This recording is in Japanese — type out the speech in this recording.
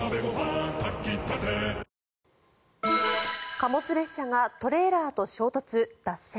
貨物列車がトレーラーと衝突、脱線。